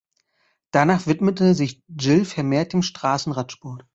Danach widmete sich Gil vermehrt dem Straßenradsport.